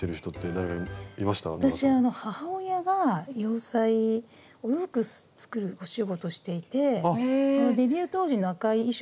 私あの母親が洋裁お洋服作るお仕事していてデビュー当時の赤い衣装